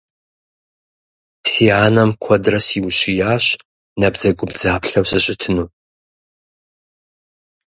Си анэм куэдрэ сиущиящ набдзэгубдзаплъэу сыщытыну.